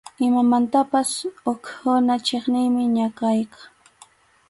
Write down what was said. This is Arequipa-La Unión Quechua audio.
Imamantapas hukkuna chiqniymi ñakayqa.